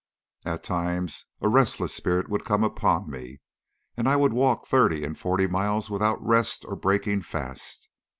At times a restless spirit would come upon me, and I would walk thirty and forty miles without rest or breaking fast.